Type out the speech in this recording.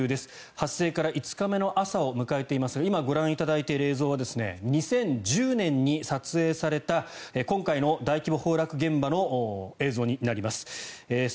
発生から５日目の朝を迎えていますが今、ご覧いただいている映像は２０１０年に撮影された今回の大規模崩落現場の映像になります。